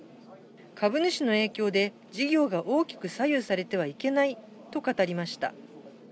株主の影響で事業が大きく左右されてはいけないと語りました。